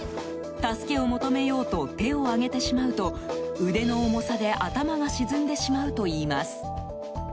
助けを求めようと手を上げてしまうと腕の重さで頭が沈んでしまうといいます。